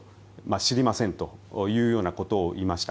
知りませんというようなことを言いました。